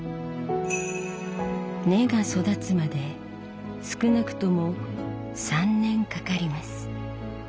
根が育つまで少なくとも３年かかります。